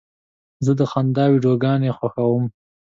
زه د خندا ویډیوګانې خوښوم.